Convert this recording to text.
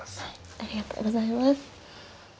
ありがとうございます。